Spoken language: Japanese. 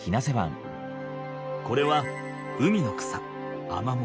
これは海の草アマモ。